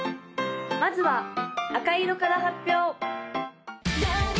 まずは赤色から発表！